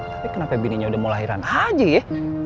tapi kenapa bininya udah mau lahiran aja ya